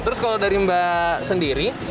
terus kalau dari mbak sendiri